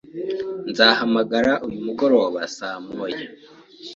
Nzahamagara uyu mugoroba saa moya.